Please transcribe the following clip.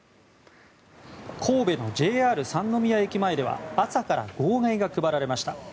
神戸のＪＲ三ノ宮駅前では朝から号外が配られました。